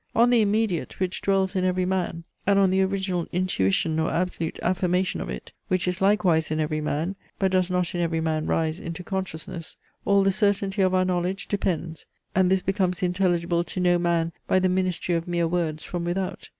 On the IMMEDIATE, which dwells in every man, and on the original intuition, or absolute affirmation of it, (which is likewise in every man, but does not in every man rise into consciousness) all the certainty of our knowledge depends; and this becomes intelligible to no man by the ministry of mere words from without.